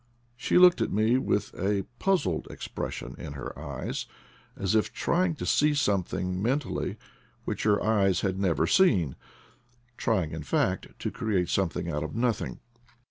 She looked at me with a puzzled expression in her eyes, as if trying to see something mentally which her eyes had never seen — trying, in fact, to create some thing out of nothing.